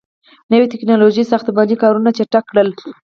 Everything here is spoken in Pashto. • نوي ټیکنالوژۍ ساختماني کارونه چټک کړل.